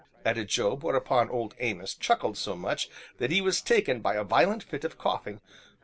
added Job; whereupon Old Amos chuckled so much that he was taken by a violent fit of coughing.